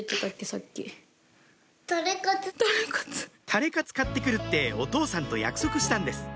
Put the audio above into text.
タレカツ買って来るってお父さんと約束したんです